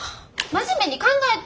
真面目に考えて！